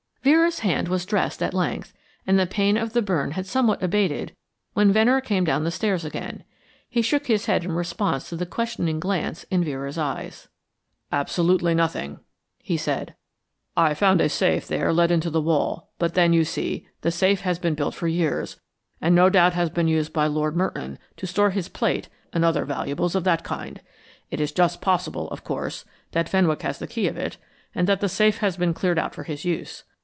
Vera's hand was dressed at length, and the pain of the burn had somewhat abated when Venner came down the stairs again. He shook his head in response to the questioning glance in Vera's eyes. "Absolutely nothing," he said. "I found a safe there let into the wall, but then, you see, the safe has been built for years, and no doubt has been used by Lord Merton to store his plate and other valuables of that kind. It is just possible, of course, that Fenwick has the key of it, and that the safe had been cleared out for his use.